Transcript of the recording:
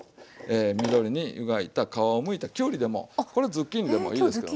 緑に湯がいた皮をむいたきゅうりでもこれズッキーニでもいいですよ。